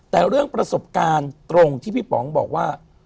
แต่เรื่องประสบการณ์ตรงที่พี่ป๋องบอกว่า